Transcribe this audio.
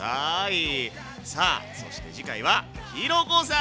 さあそして次回はひろ子さんです。